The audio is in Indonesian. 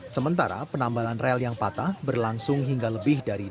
sementara penambalan rel yang patah berlangsung hingga lebih dari dua jam